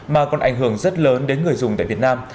mà còn ảnh hưởng rất lớn đến người dùng tại việt nam